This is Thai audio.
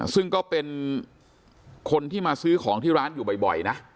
ซึ่งก็เป็นคนที่มาซื้อของที่ร้านอยู่บ่อยนะ